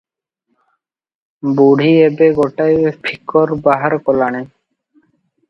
ବୁଢୀ ଏବେ ଗୋଟାଏ ଫିକର ବାହାର କଲାଣି ।